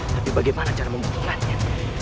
tapi bagaimana cara membentukannya